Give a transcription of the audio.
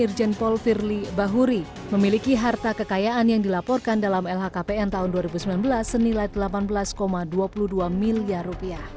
irjen paul firly bahuri memiliki harta kekayaan yang dilaporkan dalam lhkpn tahun dua ribu sembilan belas senilai rp delapan belas dua puluh dua miliar